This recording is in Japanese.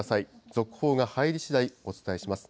続報が入りしだい、お伝えします。